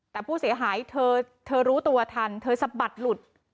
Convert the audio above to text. แต่ผู้เสียหายเธอรู้ตัวทันเธอสะบัดหลุด